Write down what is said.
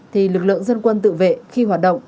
thì lực lượng dân quân tự vệ khi hoạt động